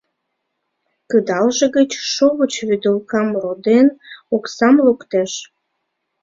Кыдалже гыч шовыч вӱдылкам руден, оксам луктеш.